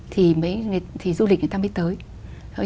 thì du lịch người ta mới tới